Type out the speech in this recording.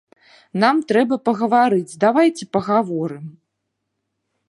Нам трэба пагаварыць, давайце пагаворым.